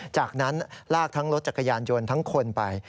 จากนั้นลากทั้งรถจักรยานยนต์ทั้งคนไป